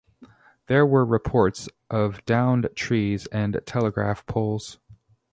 There were reports of downed trees and telegraph poles.